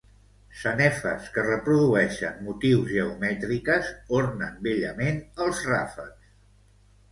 Sanefes que reprodueixen motius geomètriques ornen bellament els ràfecs.